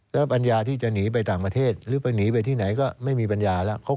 แล้วปัญญาที่จะหนีไปต่างประเทศหรือไปหนีไปที่ไหนก็ไม่มีปัญญาแล้ว